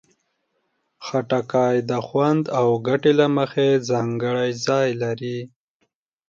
خټکی د خوند او ګټې له مخې ځانګړی ځای لري.